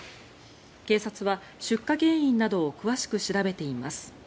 警察は出火原因などを詳しく調べています。